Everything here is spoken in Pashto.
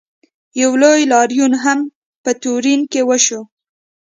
یو لوی لاریون هم په تورین کې وشو.